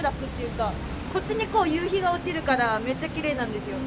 こっちにこう夕日が落ちるからめっちゃきれいなんですよ。